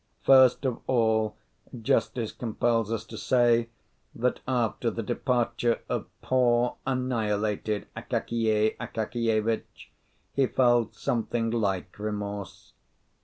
First of all, justice compels us to say that after the departure of poor, annihilated Akakiy Akakievitch he felt something like remorse.